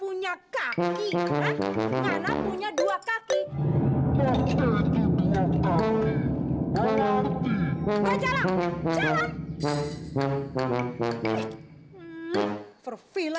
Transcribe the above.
oh makanya ada sekolah